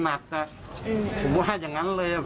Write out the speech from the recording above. ตัวเล็กมึง